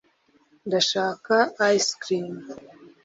ndashaka ice cream